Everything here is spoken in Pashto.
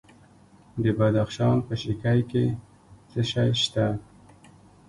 د بدخشان په شکی کې څه شی شته؟